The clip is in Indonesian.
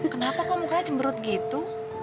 kenapa kamu kelihatan cemberut begitu